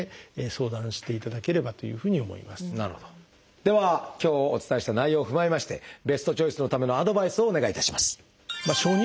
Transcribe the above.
では今日お伝えした内容を踏まえましてベストチョイスのためのアドバイスをお願いいたします。